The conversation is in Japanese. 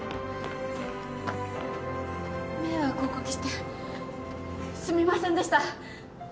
迷惑をお掛けしてすみませんでした。